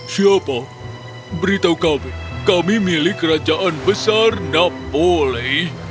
siapa beritahu kami kami milik kerajaan besar napoli